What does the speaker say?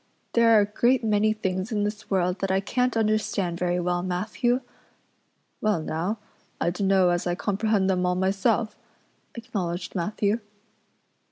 There are a great many things in this world that I can't understand very well, Matthew." "Well now, I dunno as I comprehend them all myself," acknowledged Matthew.